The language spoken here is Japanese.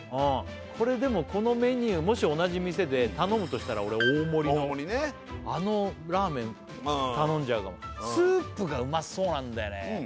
これでもこのメニューもし同じ店で頼むとしたら俺大もりのあのラーメン頼んじゃうかもスープがうまそうなんだよね